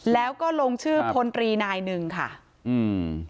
แล้วก็ลงชื่อพลตรีนายหนึ่งค่ะอืม